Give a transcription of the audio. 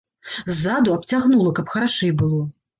Ззаду абцягнула, каб харашэй было.